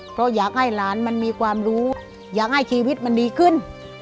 เพราะอยากให้หลานมันมีความรู้อยากให้ชีวิตมันดีขึ้น